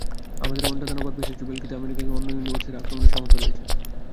আমাদের ওয়ান্ডা দানব আর পিশাচের ভেলকিতে আমেরিকাকে অন্য ইউনিভার্সেও - আক্রমণের সামর্থ্য রয়েছে।